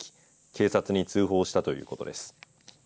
警察に通報したということです。